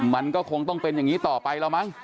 มันก็คงต้องเป็นอย่างนี้ต่อไปแล้วมั้ง